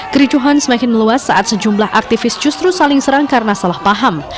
kericuhan semakin meluas saat sejumlah aktivis justru saling serang karena salah paham